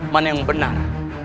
mana yang benar